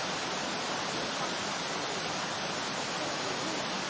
หลุดหลานมาลุกมาลุก